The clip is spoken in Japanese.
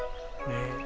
ねえ。